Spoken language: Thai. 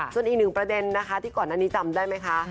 ส่วนอีกหนึ่งประเด็นนะคะที่ก่อนอันนี้จำได้ไหมคะ